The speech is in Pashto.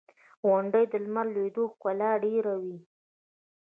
• غونډۍ د لمر لوېدو ښکلا ډېروي.